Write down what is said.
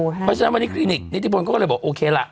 เพราะฉะนั้นวันนี้คลินิกนิทธิพลเขาก็เลยบอกโอเคล่ะ